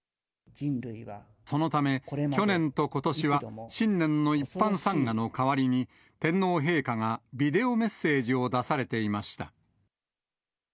そのため、去年とことしは新年の一般参賀の代わりに、天皇陛下がビデオメッセージを出されていました。